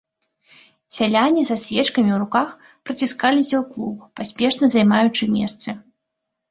Сяляне са свечкамі ў руках праціскаліся ў клуб, паспешна займаючы месцы.